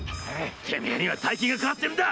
てめえには大金がかかってんだ！